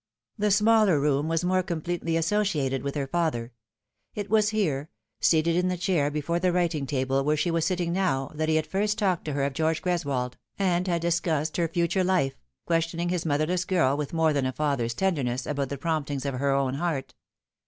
The smaller room was more completely asso eiated with her father. It was here seated in the chair before the writing table, where she was sitting now that he had first talked to her of George Greswold, and had discussed her future life, questioning his motherless girl with more than a father's tenderness about the promptings of her own heart.